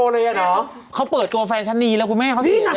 นี่นั่งเป็นเด็กหลอดแก้วควรแรกของประเทศไทยนะ